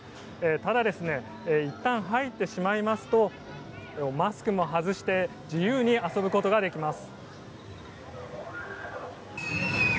ただいったん入ってしまいますとマスクも外して自由に遊ぶことができます。